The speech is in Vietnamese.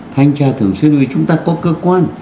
thanh tra thường xuyên chúng ta có cơ quan